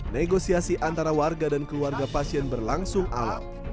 negosiasi antara warga dan keluarga pasien berlangsung alam